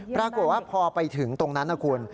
ปรากฏว่าพอไปถึงตรงนั้นนะคุณ